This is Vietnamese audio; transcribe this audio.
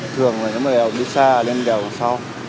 thường là nếu mà ông đi xa lên đeo đằng sau